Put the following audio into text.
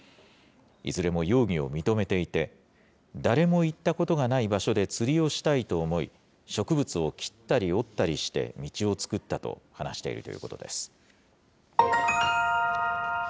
いずれも容疑を認めていて、誰も行ったことがない場所で釣りをしたいと思い、植物を切ったり折ったりして道を作ったと話しているということです。